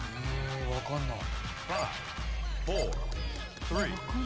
・分かんない。